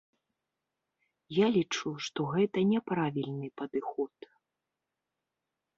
Я лічу, што гэта няправільны падыход.